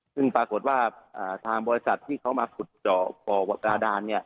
ซึ่งปรากฏว่าทางบริษัทที่เขามาขุดเจาะบ่อกระดาน